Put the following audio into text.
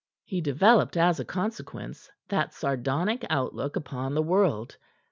He developed, as a consequence, that sardonic outlook upon the world.